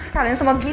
kalian semua gila